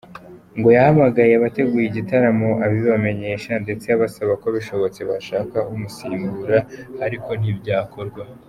Ngo yahamagaye abateguye igitaramo abibamenyesha ndetse abasaba ko bishobotse bashaka umusimbura ariko ntibyakorwa.